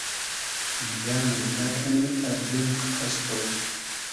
بییۂ مݷدۂ کئنی اردیم قئپئس تو